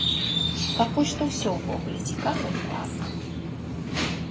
Пакуль што ўсё ўвогуле цікава і класна.